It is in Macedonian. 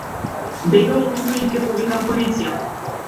Бегај оттука или ќе повикам полиција.